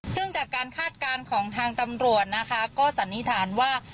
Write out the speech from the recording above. ซึ่งจากการคาดการณ์ของทางตำรวจนะคะก็สันนิษฐานว่า